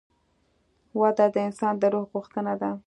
وده د انسان د روح غوښتنه ده.